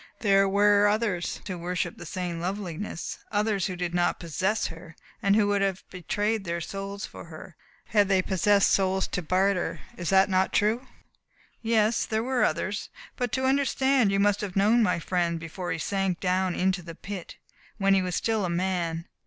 There were others who worshipped that same loveliness others who did not possess her, and who would have bartered their souls for her had they possessed souls to barter. Is that not true?" "Yes, there were others. But to understand you must have known my friend before he sank down into the pit when he was still a man.